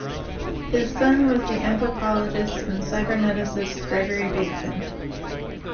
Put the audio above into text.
His son was the anthropologist and cyberneticist Gregory Bateson.